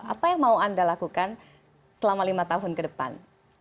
apa yang mau anda lakukan selama lima tahun ke depan